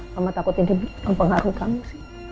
kamu takutin dia mempengaruhi kamu sih